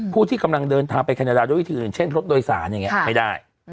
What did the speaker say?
ที่กำลังเดินทางไปแคนาดาด้วยวิธีอื่นเช่นรถโดยสารอย่างนี้ไม่ได้